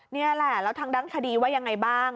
นี่แหละแล้วทางด้านคดีว่ายังไงบ้าง